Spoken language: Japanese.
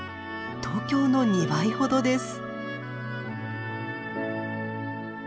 東京の２倍ほどです。